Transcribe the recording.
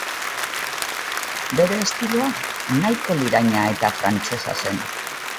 Bere estiloa nahiko liraina eta frantsesa zen.